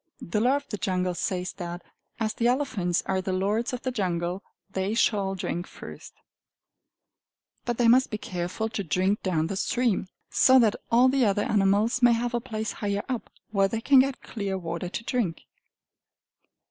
The Law of the Jungle says that as the elephants are the lords of the jungle, they shall drink first: but they must be careful to drink down the stream, so that all the other animals may have a place higher up, where they can get clear water to drink.